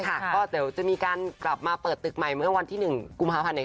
ก็เดี๋ยวจะมีการกลับมาเปิดตึกใหม่เมื่อวันที่๑กุมภาพันธ์